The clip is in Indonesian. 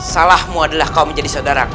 salahmu adalah kau menjadi saudaraku